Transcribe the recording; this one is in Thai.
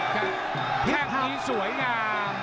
แค่งนี้สวยงาม